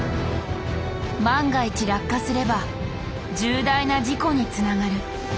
万が一落下すれば重大な事故につながる。